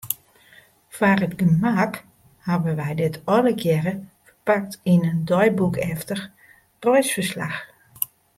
Foar it gemak hawwe wy dit allegearre ferpakt yn in deiboekeftich reisferslach.